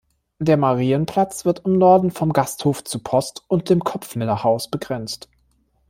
Der Marienplatz wird im Norden vom "Gasthof zu Post" und dem "Kopfmiller-Haus" begrenzt.